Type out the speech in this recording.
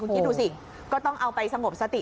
คิดดูสิก็ต้องเอาไปสงบสติ